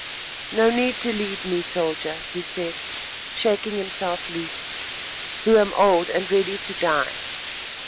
"No need to lead me, soldier," he said, shaking himself loose, "who am old and ready to die."